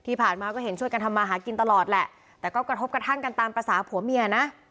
ที่ผ่านมาก็เห็นช่วยกันทำมาหากินตลอดแหละแต่ก็กระทบกระทั่งกันตามภาษาผัวเมียนะ